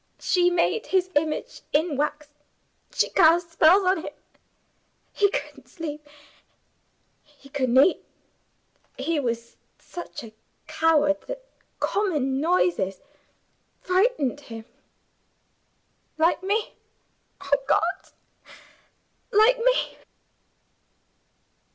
She made his image in wax; she cast spells on him. He couldn't sleep; he couldn't eat; he was such a coward that common noises frightened him. Like Me! Oh, God, like me!"